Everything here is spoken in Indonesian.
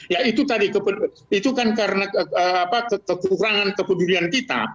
ya itu tadi itu kan karena kekurangan kepedulian kita